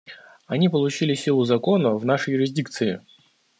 Они получили силу закона в нашей юрисдикции.